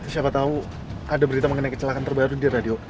siapa tahu ada berita mengenai kecelakaan terbaru di radio